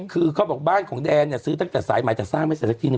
คือเขาบอกบ้านของแดนเนี่ยซื้อตั้งแต่สายใหม่แต่สร้างไม่เสร็จสักทีน